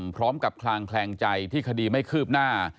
พร้อมกับคลางแคลงใจที่คดีไม่คืบหน้า